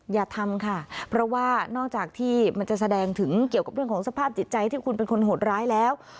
อย่าทำค่ะเพราะว่านอกจากที่มันจะแสดงถึงเกี่ยวกับเรื่องของสภาพจิตใจที่คุณเป็นคนโหดร้ายแล้ว